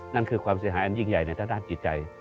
นั่นคือความเสียหายอันยิ่งใหญ่ในทางด้านจิตใจ